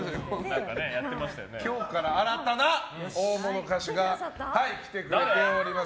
今日から新たな大物歌手が来てくれております。